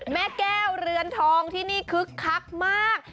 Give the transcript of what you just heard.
แม่แก้วเรือนทองที่นี่คึกคักมาก